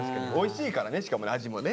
しかも味もね。